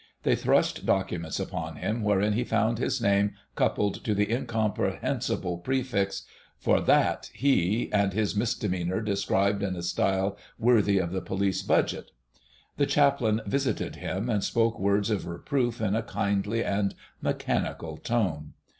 They thrust documents upon him, wherein he found his name coupled to the incomprehensible prefix "For that he," and his misdemeanour described in a style worthy of the 'Police Budget.' The Chaplain visited him and spoke words of reproof in a kindly and mechanical tone.